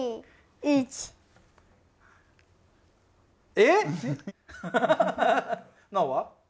えっ？尚は？